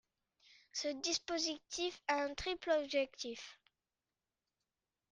Ce dispositif a un triple objectif.